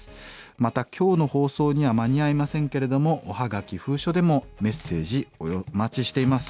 また今日の放送には間に合いませんけれどもおはがき封書でもメッセージお待ちしています。